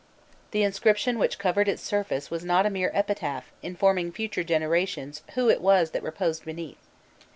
The inscription which covered its surface was not a mere epitaph informing future generations who it was that reposed beneath.